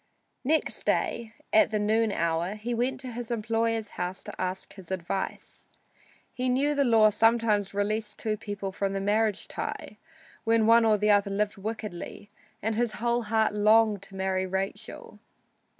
Next day, at the noon hour, he went to his employer's house to ask his advice. He knew the law sometimes released two people from the marriage tie when one or the other lived wickedly, and his whole heart longed to marry Rachel.